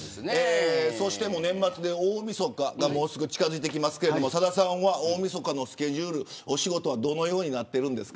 そして、年末で大みそかがもうすぐ近づいてきますけれどもさださんは大みそかのスケジュールお仕事はどのようになっているのですか。